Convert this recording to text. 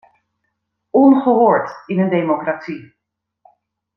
Ongehoord in een democratie!